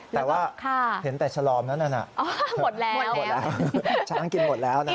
แต่ว่าเห็นแต่ชลอมนั้นน่ะหมดแล้วช้างกินหมดแล้วนะค่ะ